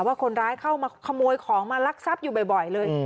ว่าคนร้ายเข้ามาขโมยของมาลักทรัพย์อยู่บ่อยเลย